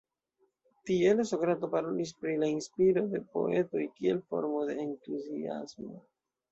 Tiele Sokrato parolis pri la inspiro de poetoj kiel formo de Entuziasmo.